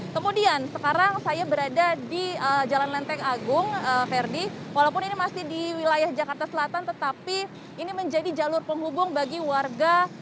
kemudian sekarang saya berada di jalan lenteng agung verdi walaupun ini masih di wilayah jakarta selatan tetapi ini menjadi jalur penghubung bagi warga